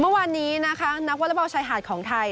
เมื่อวานนี้นักวอลเล่อบอลชัยหาดของไทย